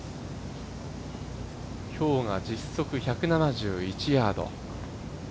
今日が実測１７１ヤード。